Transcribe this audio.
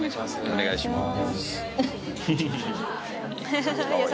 お願いします。